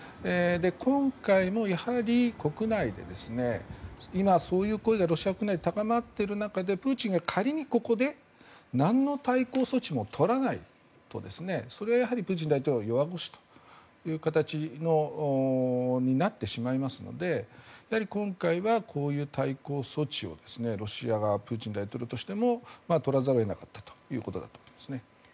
今回もやはり国内で今、そういう声がロシア国内で高まっている中でプーチンが仮にここでなんの対抗措置も取らないとそれはプーチン大統領は弱腰という形になってしまいますのでやはり今回はこういう対抗措置をロシア側プーチン大統領としても取らざるを得なかったということだと思います。